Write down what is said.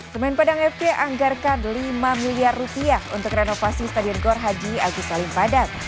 semen padang fc anggarkan lima miliar rupiah untuk renovasi stadion gor haji agus salim padat